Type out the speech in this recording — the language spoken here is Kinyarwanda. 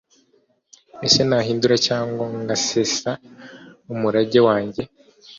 ese nahindura cyangwa ngasesa umurage wanjye